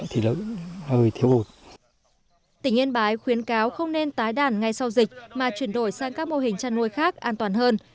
tỉnh yên bái khuyến cáo không nên tái đàn ngay sau dịch mà chuyển đổi sang các mô hình chăn nuôi khác an toàn hơn